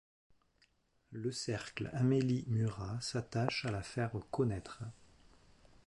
Le Cercle Amélie-Murat s'attache à la faire connaître.